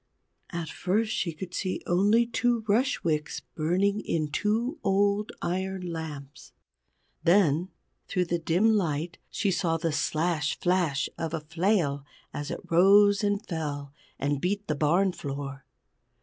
At first she could see only two rush wicks burning in two old iron lamps. Then through the dim light she saw the slash flash of a flail as it rose and fell, and beat the barn floor.